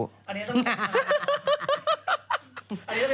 อันนี้ก็เป็นเรื่องของคุณค่ะ